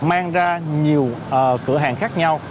mang ra nhiều cửa hàng khác nhau